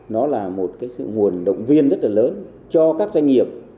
nó là một cái sự nguồn động viên rất là lớn cho các doanh nghiệp